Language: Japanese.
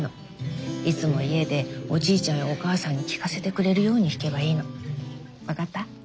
いつも家でおじいちゃんやお母さんに聴かせてくれるように弾けばいいの。分かった？